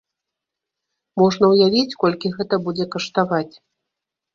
Можна ўявіць, колькі гэта будзе каштаваць.